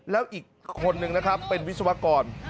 แล้วอีกคนนึงนะครับเป็นวิศวกร